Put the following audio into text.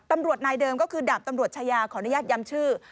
ตำรวจนายเดิมก็คือดาบตำรวจชายาขออนุญาตย้ำชื่อ